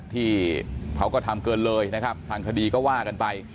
ที่เขาก็ทำเกินเลยนะครับทางคดีก็ว่ากันไป